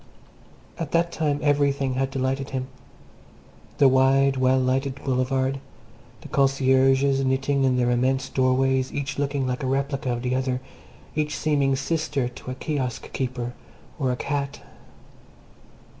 At that time everything had delighted him the wide, well lighted Boulevard, the concierges knitting in their immense doorways, each looking like a replica of the other, each seeming sister to a kiosk keeper or a cat.